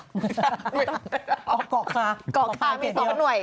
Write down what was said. กอร์คายังมี๒หน่วย